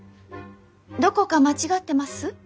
どこか間違ってます？